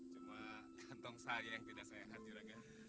cuma gantung saya yang tidak sehat juragan